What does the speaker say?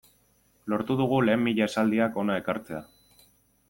Lortu dugu lehen mila esaldiak hona ekartzea.